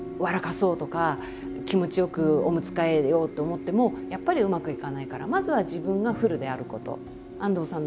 そうとか気持ちよくおむつ替えようと思ってもやっぱりうまくいかないからまずは自分がフルであること。